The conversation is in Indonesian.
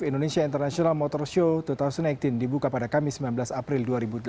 indonesia international motor show dua ribu delapan belas dibuka pada kamis sembilan belas april dua ribu tujuh belas